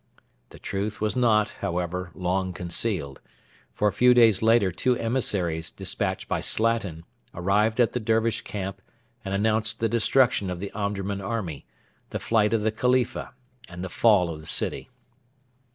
The truth was not, however, long concealed; for a few days later two emissaries despatched by Slatin arrived at the Dervish camp and announced the destruction of the Omdurman army, the flight of the Khalifa, and the fall of the city.